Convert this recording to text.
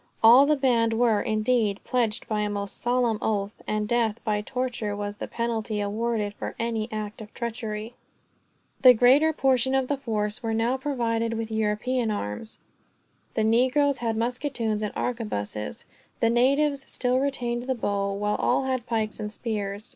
All the band were, indeed, pledged by a most solemn oath; and death, by torture, was the penalty awarded for any act of treachery. The greater portion of the force were now provided with European arms. The negroes had musketoons or arquebuses, the natives still retained the bow, while all had pikes and spears.